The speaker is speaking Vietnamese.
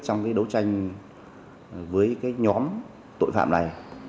trong đấu tranh với nhóm tội phạm này